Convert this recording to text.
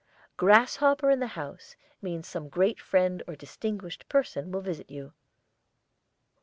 GRASSHOPPER in the house means some great friend or distinguished person will visit you.